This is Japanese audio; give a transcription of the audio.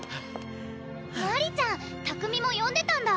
マリちゃん拓海もよんでたんだ